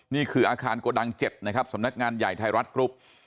นี่คืออาคารโกดัง๗นะครับสำนักงานใหญ่ไทยรัฐกรุ๊ป